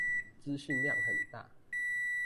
資訊量很大